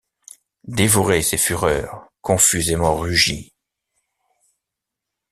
Dévorer ses fureurs, confusément rugies!